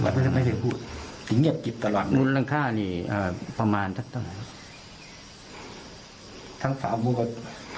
เราไม่เคยพูดสิเงียบกิบตลอดมูลค่านี่เอ่อประมาณตั้งแต่ไหน